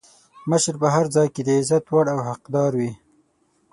مشر په هر ځای کې د عزت وړ او حقدار وي.